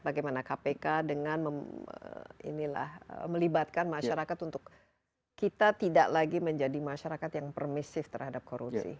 bagaimana kpk dengan melibatkan masyarakat untuk kita tidak lagi menjadi masyarakat yang permisif terhadap korupsi